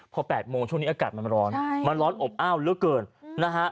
พอ๘โมงช่วงนี้อากาศมันร้อนมันร้อนอบอ้าวเหลือเกินนะฮะ